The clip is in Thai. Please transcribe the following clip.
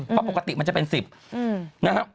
เพราะปกติมันจะเป็น๑๐นะครับ